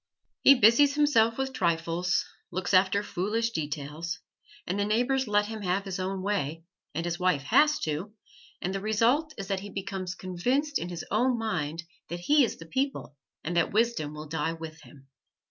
He busies himself with trifles, looks after foolish details, and the neighbors let him have his own way and his wife has to, and the result is that he becomes convinced in his own mind that he is the people and that wisdom will die with him.